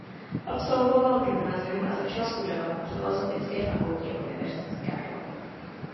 Absolvoval gymnázium a začal studovat na Filosofické fakultě Univerzity Karlovy.